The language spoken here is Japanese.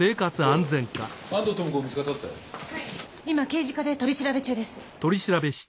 今刑事課で取り調べ中です。